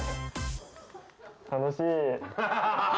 楽しい。